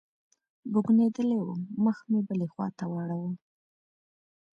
بوږنېدلى وم مخ مې بلې خوا ته واړاوه.